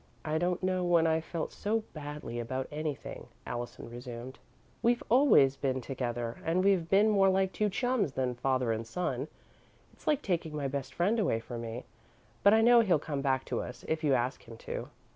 "I don't know when I've felt so badly about anything," Allison resumed. "We've always been together and we've been more like two chums than father and son. It's like taking my best friend away from me, but I know he'll come back to us, if you ask him to."